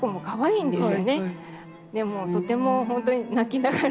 でもとても本当に泣きながら。